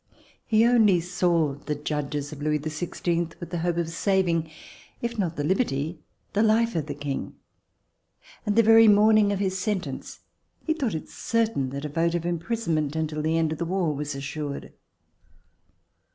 He only saw the judges of Louis XVI with the hope of saving, if not the liberty, the life of the King; and the very morning of his sentence, he thought it certain that a vote of imprisonment until the end of the war was assured.